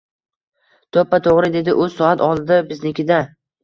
To`ppa-to`g`ri, dedi u, soat oltida, biznikida